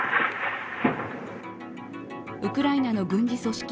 ウクライナの軍事組織